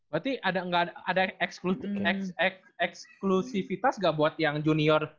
berarti ada eksklusifitas nggak buat yang junior